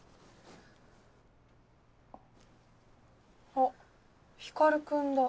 あっ光君だ。